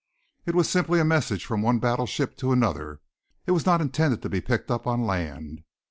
It was simply a message from one battleship to another. It was not intended to be picked up on land.